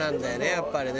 やっぱりね。